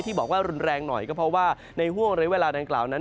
บอกว่ารุนแรงหน่อยก็เพราะว่าในห่วงระยะเวลาดังกล่าวนั้น